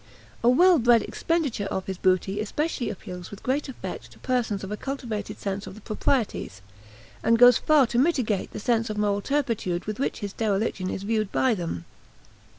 A well bred expenditure of his booty especially appeals with great effect to persons of a cultivated sense of the proprieties, and goes far to mitigate the sense of moral turpitude with which his dereliction is viewed by them.